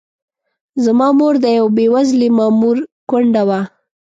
زما مور د یوه بې وزلي مامور کونډه وه.